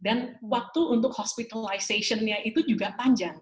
dan waktu untuk hospitalization nya itu juga panjang